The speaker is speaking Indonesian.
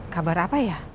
kabar apa ya